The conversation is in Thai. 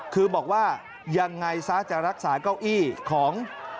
คือบอกว่ายังไงซะจะรักษาเก้าอี้ของ